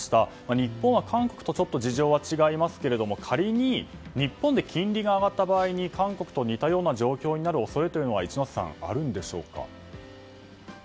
日本は韓国とちょっと事情は違いますけれども仮に日本で金利が上がった場合に韓国と似たような状況になる恐れというのは一之瀬さん、あるんでしょうか。